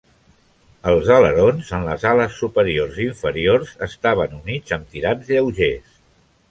Els alerons, en les ales superiors i inferiors, estaven units amb tirants lleugers.